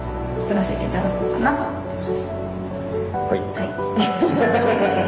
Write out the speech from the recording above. はい。